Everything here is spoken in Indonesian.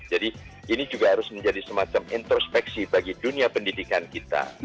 ini juga harus menjadi semacam introspeksi bagi dunia pendidikan kita